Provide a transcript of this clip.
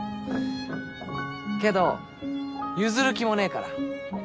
けど譲る気もねえから。